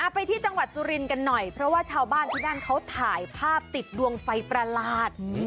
ไปที่จังหวัดสุรินทร์กันหน่อยเพราะว่าชาวบ้านที่นั่นเขาถ่ายภาพติดดวงไฟประหลาด